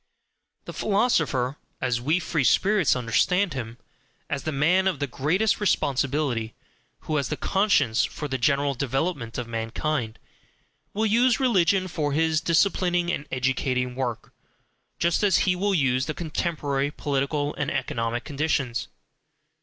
The philosopher, as WE free spirits understand him as the man of the greatest responsibility, who has the conscience for the general development of mankind, will use religion for his disciplining and educating work, just as he will use the contemporary political and economic conditions.